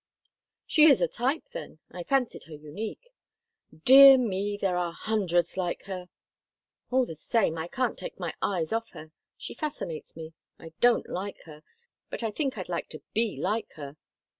"She is a type, then. I fancied her unique." "Dear me! There are hundreds like her." "All the same, I can't take my eyes off her. She fascinates me. I don't like her—but I think I'd like to be like her."